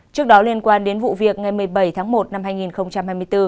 trước đó liên quan đến vụ việc ngày một mươi bảy tháng một năm hai nghìn hai mươi bốn